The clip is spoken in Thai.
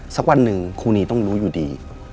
สักวันหนึ่งครูนีต้องรู้อยู่ดี